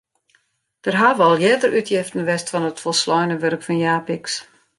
Der hawwe al earder útjeften west fan it folsleine wurk fan Japicx.